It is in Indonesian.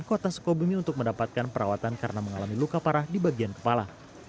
kota sukabumi untuk mendapatkan perawatan karena mengalami luka parah di bagian kepala